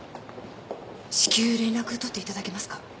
至急連絡取っていただけますか？